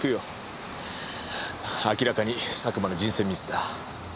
明らかに佐久間の人選ミスだ。